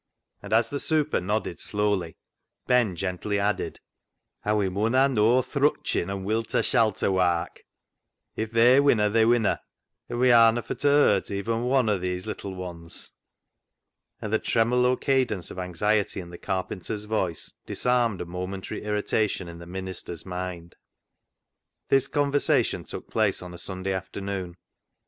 And, as the " super " nodded slowly, Ben gently added, " An' we mun ha' noa thrutchin, an' wilta shalta wark. If they winna they winna, and we ar'na' fur t' hurt even ' one o' these little ones.' " And the tremolo cadence of anxiety in the carpenter's voice dis armed a momentary irritation in the minister's mind. This conversation took place on a Sunday afternoon.